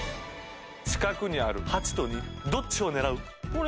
近くにある８と２どっちを狙う？